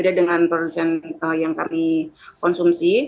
berbeda dengan produksi yang kami konsumsi